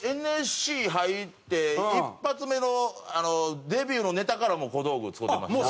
ＮＳＣ入って一発目のデビューのネタからもう小道具を作ってました。